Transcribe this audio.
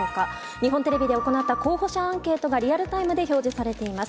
日本テレビで行った候補者アンケートがリアルタイムで表示されています。